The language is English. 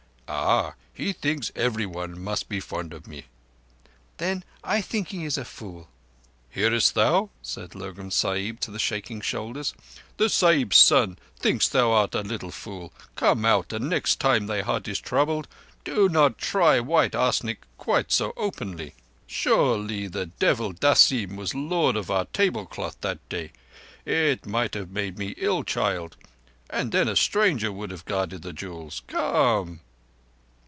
"Ah! He thinks everyone must be fond of me." "Then I think he is a fool." "Hearest thou?" said Lurgan Sahib to the shaking shoulders. "The Sahib's son thinks thou art a little fool. Come out, and next time thy heart is troubled, do not try white arsenic quite so openly. Surely the Devil Dasim was lord of our table cloth that day! It might have made me ill, child, and then a stranger would have guarded the jewels. Come!"